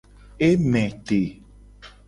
E me te.